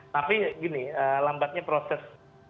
tapi gini lambatnya proses